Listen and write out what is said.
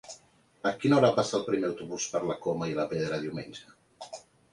A quina hora passa el primer autobús per la Coma i la Pedra diumenge?